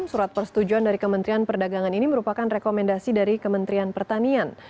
surat persetujuan dari kementerian perdagangan ini merupakan rekomendasi dari kementerian pertanian